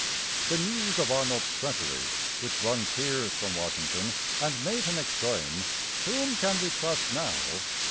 The news of Arnold's treachery, which wrung tears from Washington, and made him exclaim, "Whom can we trust now?"